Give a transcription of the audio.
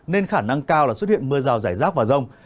nên khả năng cao là xuất hiện mưa rào rải rác và rông